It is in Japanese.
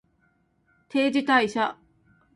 定時退社